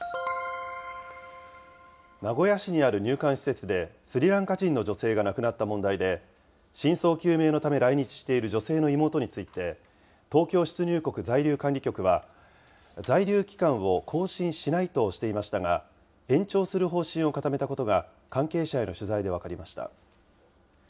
名古屋市にある入館施設でスリランカ人の女性が亡くなった問題で、真相究明のため来日している女性の妹について、東京出入国在留管理局は、在留期間を更新しないとしていましたが、延長する方針を固めたことが、関係者への取材で分かりました。